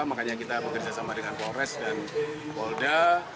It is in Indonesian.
makanya kita bekerja sama dengan polres dan polda